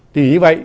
thì như vậy